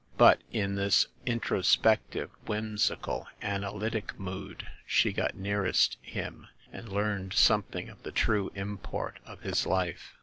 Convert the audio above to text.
But in this introspective, whimsical, analytic mood she got nearest him and learned something of the true import of his life.